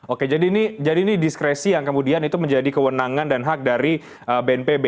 oke jadi ini diskresi yang kemudian itu menjadi kewenangan dan hak dari bnpb